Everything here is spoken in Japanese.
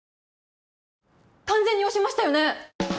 完全に押しましたよね？